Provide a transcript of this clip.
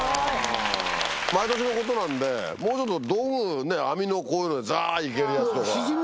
毎年のことなんでもうちょっと道具ね網のこういうのでザいけるやつとか。